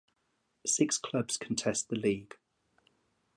Six clubs contest the league.